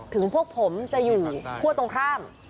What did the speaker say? พวกผมจะอยู่คั่วตรงข้าม